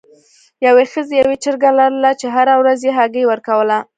یوې ښځې یوه چرګه لرله چې هره ورځ یې هګۍ ورکوله.